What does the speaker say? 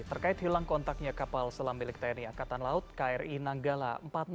terkait hilang kontaknya kapal selam milik tni angkatan laut kri nanggala empat ratus dua